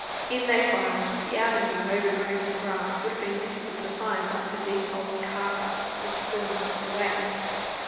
In they filed. The avenue, overgrown with grass, would have been difficult to find, but for deep old cart ruts which still marked the way.